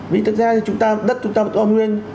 vì thực ra thì chúng ta đất chúng ta to nguyên